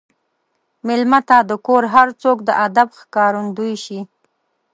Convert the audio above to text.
مېلمه ته د کور هر څوک د ادب ښکارندوي شي.